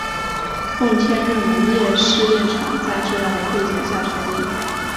奉天农业试验场在这样的背景下成立。